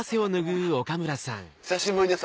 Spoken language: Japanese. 久しぶりです